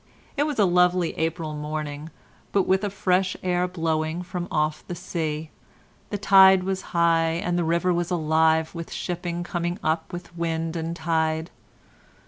It was a lovely April morning, but with a fresh air blowing from off the sea; the tide was high, and the river was alive with shipping coming up with wind and tide.